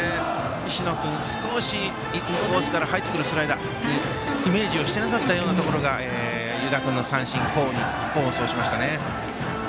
石野君、少しインコースから入ってくるスライダーにイメージをしてなかったようなところが湯田君の三振に功を奏しましたね。